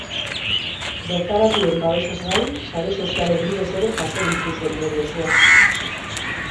Bertaratuen babesaz gain, sare sozialen bidez ere jaso ditu zorion mezuak.